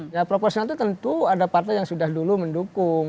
ya proporsional itu tentu ada partai yang sudah dulu mendukung